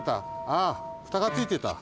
ああフタがついてた。